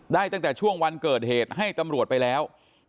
ตั้งแต่ช่วงวันเกิดเหตุให้ตำรวจไปแล้ว